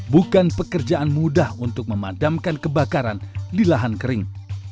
bukan pekerjaan mudah untuk memadamkan kebakaran di lahan kering